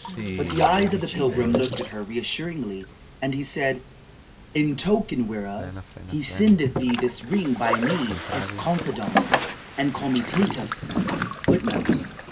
But the eyes of the pilgrim looked at her reassuringly, and he said: "In token whereof, he sendeth thee this ring by me, his confidant and comitatus,(1) Aurelian of Soissons."